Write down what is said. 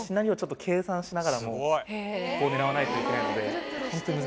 しながらここを狙わないといけないので。